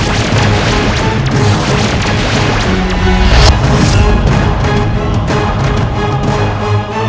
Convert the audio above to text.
kau sudah terlalu banyak menyerah